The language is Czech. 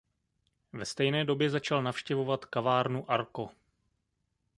Ve stejné době začal navštěvovat kavárnu Arco.